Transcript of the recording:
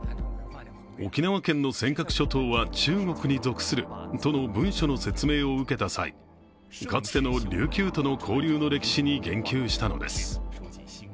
沖縄県の尖閣諸島は中国に属するとの文書の説明を受けた際、かつての琉球との交流の歴史に言及したのです。